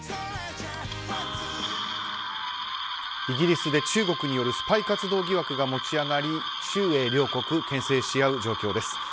イギリスで中国によるスパイ活動疑惑が持ち上がり中英両国、牽制し合う状況です。